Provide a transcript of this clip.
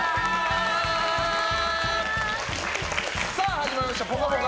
始まりました「ぽかぽか」